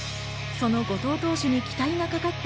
その後藤投手に期待がかかった